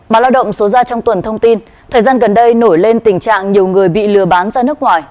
báo lao động số ra trong tuần thông tin thời gian gần đây nổi lên tình trạng nhiều người bị lừa bán ra nước ngoài